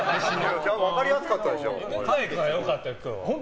分かりやすかったでしょ。